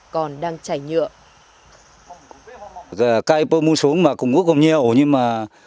còn đang chảy nhựa